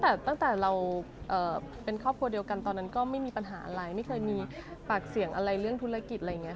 แต่ตั้งแต่เราเป็นครอบครัวเดียวกันตอนนั้นก็ไม่มีปัญหาอะไรไม่เคยมีปากเสียงอะไรเรื่องธุรกิจอะไรอย่างนี้